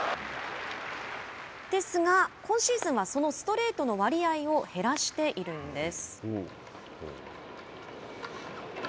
ですが今シーズンはそのストレートの割合を減らしているんです。